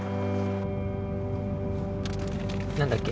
何だっけ？